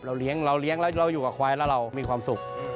เลี้ยงเราเลี้ยงแล้วเราอยู่กับควายแล้วเรามีความสุข